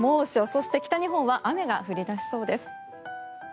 そして北日本は雨が降り出しそうです。